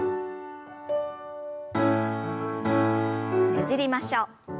ねじりましょう。